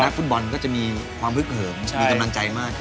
ฟุตบอลก็จะมีความฮึกเหิมมีกำลังใจมากขึ้น